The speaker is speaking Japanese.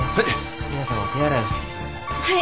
ミナさんは手洗いをしてきてください。